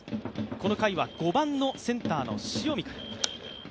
この回は５番・センターの塩見から。